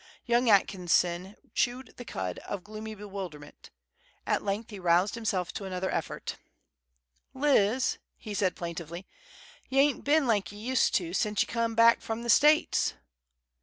Young Atkinson chewed the cud of gloomy bewilderment. At length he roused himself to another effort. "Liz," said he, plaintively, "y' ain't been like ye used to, sence ye come back from the States."